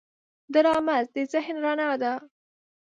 ډرامه د ذهن رڼا ده